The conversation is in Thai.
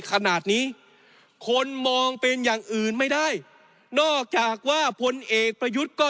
ขนาดนี้คนมองเป็นอย่างอื่นไม่ได้นอกจากว่าพลเอกประยุทธ์ก็